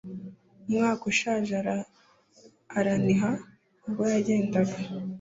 umwaka ushaje araniha ubwo yagendaga,